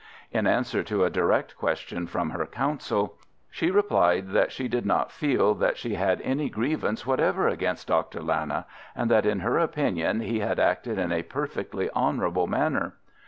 In answer to a direct question from her counsel, she replied that she did not feel that she had any grievance whatever against Dr. Lana, and that in her opinion he had acted in a perfectly honourable manner.